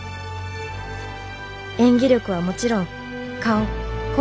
演技力はもちろん顔声